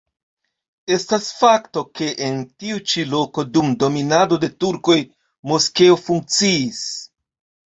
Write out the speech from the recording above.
Estas fakto, ke en tiu ĉi loko dum dominado de turkoj moskeo funkciis.